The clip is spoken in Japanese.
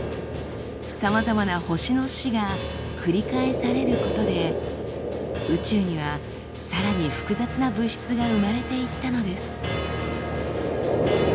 さまざまな星の死が繰り返されることで宇宙にはさらに複雑な物質が生まれていったのです。